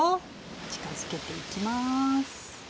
近づけていきます。